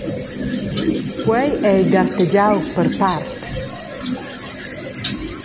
Quei ei gartegiau per part.»